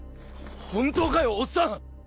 本当かよおっさん！